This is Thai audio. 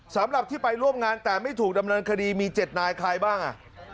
สำหรับที่ไปร่วมงานแต่ไม่ถูกดำเนินคดีมี๗นายใครบ้างอ่ะ